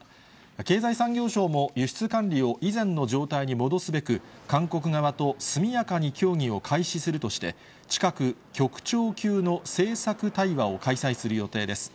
経済産業省も輸出管理を以前の状態に戻すべく、韓国側と速やかに協議を開始するとして、近く、局長級の政策対話を開催する予定です。